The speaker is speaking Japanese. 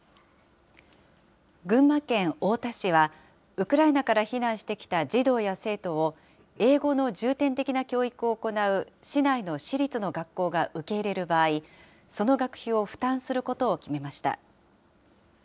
群馬県太田市は、ウクライナから避難してきた児童や生徒を、英語の重点的な教育を行う市内の私立の学校が受け入れる場合、その学費を負担することを決めました。